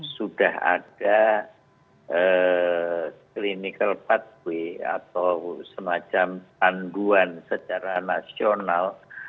sudah ada clinical pathway atau semacam panduan secara nasional